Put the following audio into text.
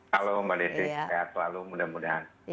halo mbak desi sehat selalu mudah mudahan